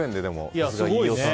さすが飯尾さん。